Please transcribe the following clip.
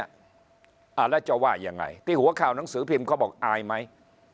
แล้วจะว่ายังไงที่หัวข่าวหนังสือพิมพ์เขาบอกอายไหม